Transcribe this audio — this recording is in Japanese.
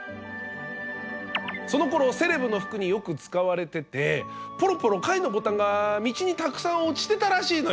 そのころセレブの服によく使われててポロポロ貝のボタンが道にたくさん落ちてたらしいのよ。